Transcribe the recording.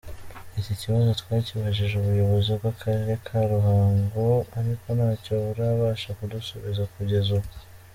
Iki kibazo twakibajije ubuyobozi bw’Akarere ka Ruhango ariko ntacyo burabasha kudusubiza kugeza ubu.